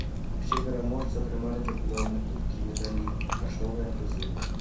Усе пераможцы атрымалі дыпломы, кубкі, медалі, каштоўныя прызы.